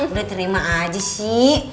udah terima aja sih